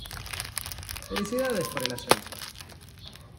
¡Felicidades por el ascenso!